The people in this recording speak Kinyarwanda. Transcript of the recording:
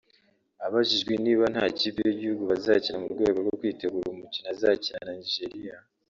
Abajijwe niba nta kipe y’igihugu bazakina mu rwego rwo kwitegura umukino azakina na Nigeria